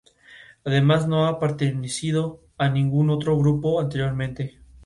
Además, no ha pertenecido a ningún otro grupo anteriormente.